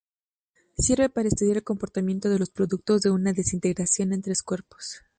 Sirve para estudiar el comportamiento de los productos de una desintegración en tres cuerpos.